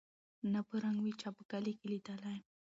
نه په رنګ وې چا په کلي کي لیدلی